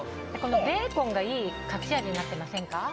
ベーコンがいい隠し味になっていませんか。